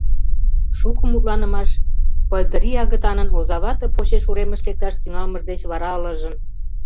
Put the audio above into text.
Шуко мутланымаш пыльдырий агытанын озавате почеш уремыш лекташ тӱҥалмыж деч вара ылыжын.